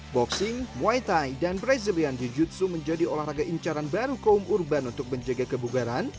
boxing muay thai dan brazilian jiu jitsu menjadi olahraga incaran baru kaum urban untuk menjaga kebugaran